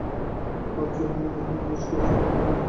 ভারত যে কোন কালে নিষ্ক্রিয় ছিল, এ-কথা আমি কোনমতেই স্বীকার করি না।